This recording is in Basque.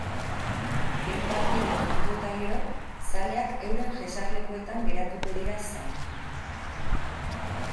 Behin partida amaitu eta gero, zaleak euren jesarlekuetan geratuko dira zain.